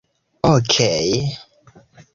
Okej.